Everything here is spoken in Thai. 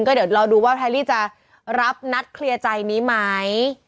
ก็เดี๋ยวรอดูว่าแพรรี่จะรับนัดเคลียร์ใจนี้ไหม